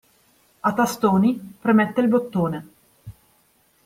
A tastoni, premette il bottone.